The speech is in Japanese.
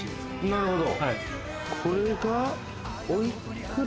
なるほど。